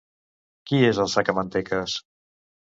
Qui és el Sacamantecas?